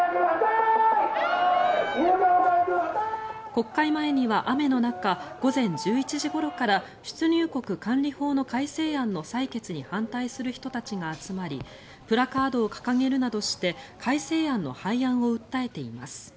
国会前には雨の中午前１１時ごろから出入国管理法の改正案の採決に反対する人たちが集まりプラカードを掲げるなどして改正案の廃案を訴えています。